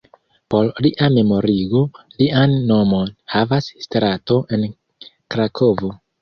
Por lia memorigo, lian nomon havas strato en Krakovo.